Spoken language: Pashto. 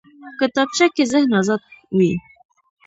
کتابچه کې ذهن ازاد وي